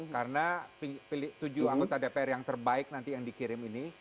karena tujuh anggota dpr yang terbaik nanti yang dikirim ini